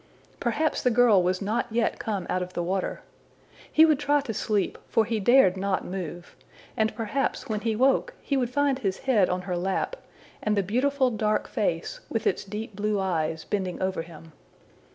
Perhaps the girl was not yet come out of the water! He would try to sleep, for he dared not move, and perhaps when he woke he would find his head on her lap, and the beautiful dark face, with its deep blue eyes, bending over him.